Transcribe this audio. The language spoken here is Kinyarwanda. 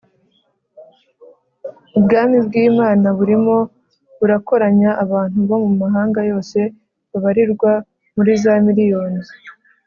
Ubwami bw’Imana burimo burakorakoranya abantu bo mu mahanga yose babarirwa muri za miriyoni